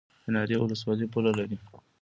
د ناری ولسوالۍ پوله لري